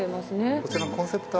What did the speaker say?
こちらのコンセプト